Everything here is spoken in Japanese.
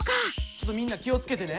ちょっとみんな気を付けてね。